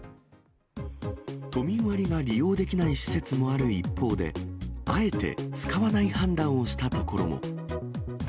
都民割が利用できない施設もある一方で、あえて使わない判断をしたところも。